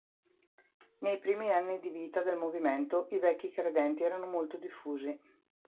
Nei primi anni di vita del movimento i Vecchi credenti erano molto diffusi.